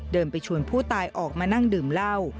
เดินไปชวนผู้ตายออกมานั่งดื่มเหล้า